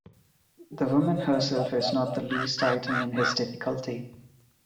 The woman herself is not the least item in his difficulty.